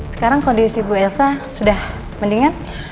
sekarang kondisi ibu elsa sudah mendingan